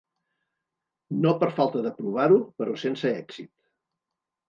No per falta de provar-ho, però sense èxit.